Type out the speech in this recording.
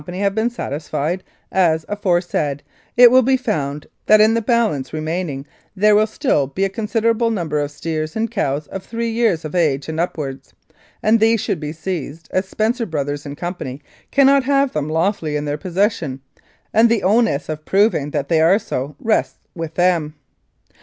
have been satisfied as aforesaid, it will be found that in the balance remaining there will still be a considerable number of steers and cows of three years of age and upwards, and these should be seized, as Spencer Bros, and Co. cannot have them lawfully in their possession, and the onus of proving that they are so rests with them.